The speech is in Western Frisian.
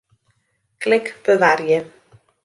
Klik Bewarje.